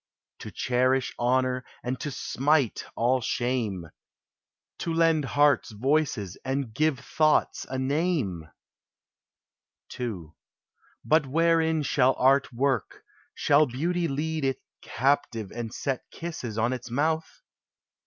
To cherish honor, and to smite all shame, To lend hearts voices, and give thoughts a name! ii. But wherein shall art work? Shall beauty lead It captive, and set kisses <>n its mouth?